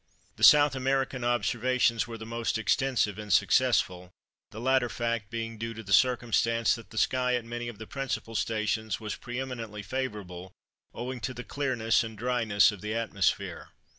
The South American observations were the most extensive and successful, the latter fact being due to the circumstance that the sky at many of the principal stations was pre eminently favourable, owing to the clearness and dryness of the atmosphere.